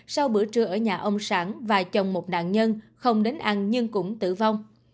sau bữa trưa ở nhà ông sản và chồng một nạn nhân không đến ăn nhưng cũng tử vong